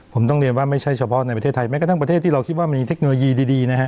ผมต้องเรียนว่าไม่ใช่เฉพาะในประเทศไทยแม้กระทั่งประเทศที่เราคิดว่ามีเทคโนโลยีดีนะฮะ